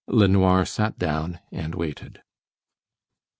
LeNoir sat down and waited.